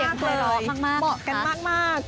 เหมาะกันมาก